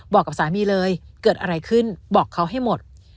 บอกกับสามีเลยเกิดอะไรขึ้นบอกเขาให้หมด